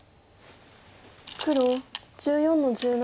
黒１４の十七。